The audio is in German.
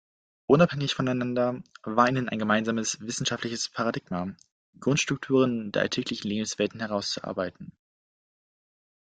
Unabhängig voneinander war ihnen ein gemeinsames wissenschaftliches Paradigma, Grundstrukturen der alltäglichen Lebenswelten herauszuarbeiten.